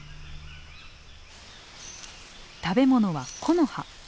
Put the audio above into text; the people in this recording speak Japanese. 食べ物は木の葉。